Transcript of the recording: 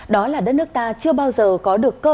đó là đất nước ta chưa bao giờ có được cơ sở